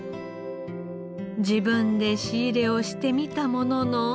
自分で仕入れをしてみたものの。